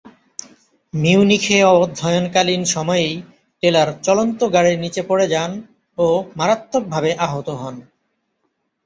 মিউনিখে অধ্যয়নকালীন সময়েই টেলার চলন্ত গাড়ীর নিচে পড়ে যান ও মারাত্মকভাবে আহত হন।